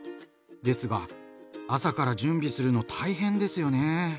ですが朝から準備するの大変ですよね。